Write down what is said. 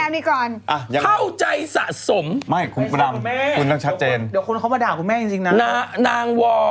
มีกอนเข้าใจสะสมไม่คุณพระดามคุณต้องชัดเจนเดี๋ยวคนเขามาด่าคุณแม่จริงนางว่า